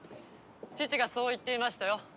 父がそう言っていましたよ。